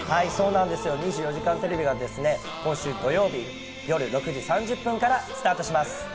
『２４時間テレビ』が今週土曜日夜６時３０分からスタートします。